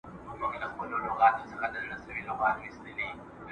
خلک د خصوصي تشبثاتو په اهمیت پوه سول.